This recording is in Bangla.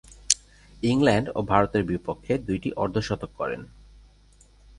ইংল্যান্ড ও ভারতের বিপক্ষে দুইটি অর্ধ-শতক করেন।